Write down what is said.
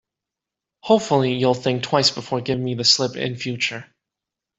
Hopefully, you'll think twice before giving me the slip in future.